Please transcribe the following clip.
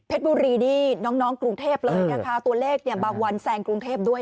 บุรีนี่น้องกรุงเทพเลยนะคะตัวเลขเนี่ยบางวันแซงกรุงเทพด้วย